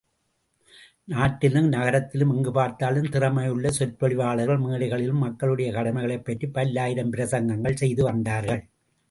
நாட்டிலும் நகரத்திலும் எங்கு பார்த்தாலும் திறமையுள்ள சொற்பொழிவாளர்கள் மேடைகளில் மக்களுடைய கடைமையைப் பற்றிப் பல்லாயிரம் பிரசங்கங்கள் செய்து வந்தார்கள்.